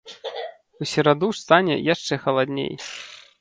У сераду стане яшчэ халадней.